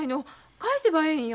返せばええんや。